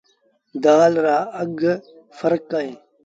دآل رآ اگھ ڦرڪ اهيݩ ۔